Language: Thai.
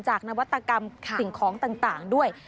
นวัตกรรมสิ่งของต่างด้วย